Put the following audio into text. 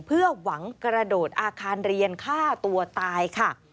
เพื่อหวังกระโดดอาคารเรียนฆ่าตัวตายค่ะ